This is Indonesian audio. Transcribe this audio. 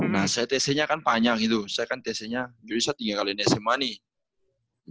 nah saya tc nya kan panjang gitu saya kan tc nya jadi saya tinggal kali ini sma nih